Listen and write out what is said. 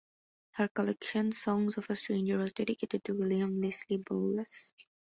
Her collection "Songs of a Stranger" was dedicated to William Lisle Bowles.